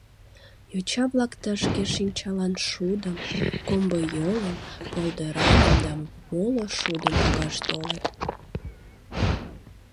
Йоча-влак тышке шинчаланшудым, комбыйолым, полдыраным да моло шудым погаш толыт.